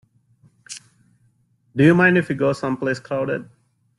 Do you mind if we go someplace crowded?